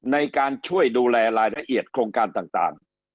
ในการช่วยดูแลรายละเอียดโครงการต่าง